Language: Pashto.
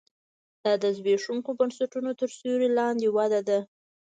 دا د زبېښونکو بنسټونو تر سیوري لاندې وده ده